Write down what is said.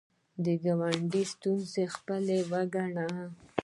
د ګاونډي ستونزه خپله وګڼئ